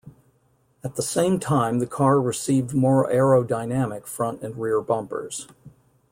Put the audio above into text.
At the same time the car received more aerodynamic front and rear bumpers.